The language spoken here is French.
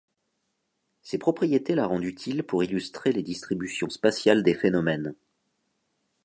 Ses propriétés la rendent utile pour illustrer les distributions spatiales des phénomènes.